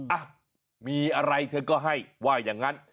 อ่ะมีอะไรเธอก็ให้ว่าอย่างนั้น